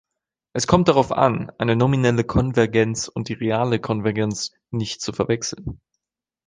Es kommt darauf an, eine nominelle Konvergenz und die reale Konvergenz nicht zu verwechseln.